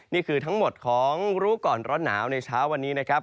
นี่คือทั้งหมดของรู้ก่อนร้อนหนาวในเช้าวันนี้นะครับ